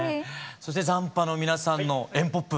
そして斬波の皆さんのＥｎ−ＰＯＰ